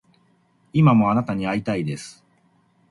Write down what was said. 今もあなたに逢いたいです